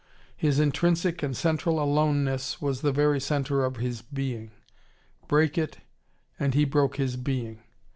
His intrinsic and central aloneness was the very centre of his being. Break it, and he broke his being.